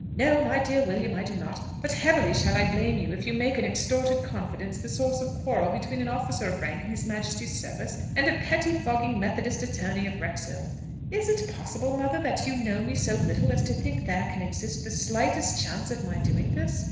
"No, my dear William, I do not. But heavily shall I blame you if you make an extorted confidence the source of quarrel between an officer of rank in his majesty's service and a pettifogging methodist attorney of Wrexhill." "Is it possible, mother, that you know me so little as to think there can exist the slightest chance of my doing this?